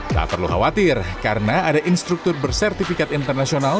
tak perlu khawatir karena ada instruktur bersertifikat internasional